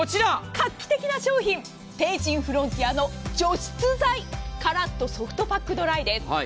画期的な商品帝人フロンティアの除湿剤乾っとソフトパックドライです。